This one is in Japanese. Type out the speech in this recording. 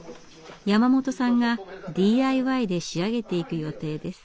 山本さんがＤＩＹで仕上げていく予定です。